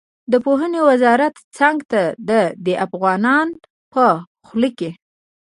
د پوهنې وزارت څنګ ته د ده افغانان په خوله کې.